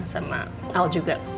sama al juga